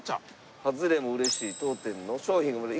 「ハズレも嬉しい当店の商品がもらえる」